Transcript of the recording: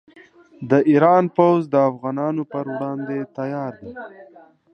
د ایران پوځ د افغانانو پر وړاندې تیار دی.